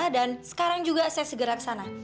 dan sekarang juga saya segera ke sana